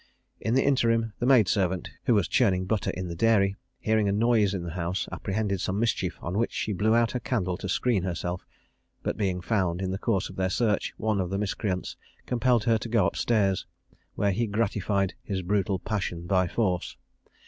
In the interim, the maid servant, who was churning butter in the dairy, hearing a noise in the house, apprehended some mischief, on which she blew out her candle to screen herself; but, being found in the course of their search, one of the miscreants compelled her to go up stairs, where he gratified his brutal passion by force.